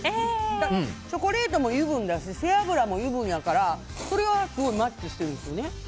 チョコレートも油分だし背脂も油分だからそれはマッチしてるんですよね。